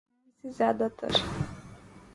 ان میں سے زیادہ تر